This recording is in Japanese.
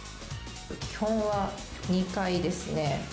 基本は２回ですね。